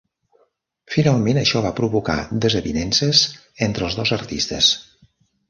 Finalment això va provocar desavinences entre els dos artistes.